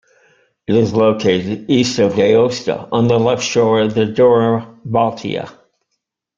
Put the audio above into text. It is located east of Aosta, on the left shore of the Dora Baltea.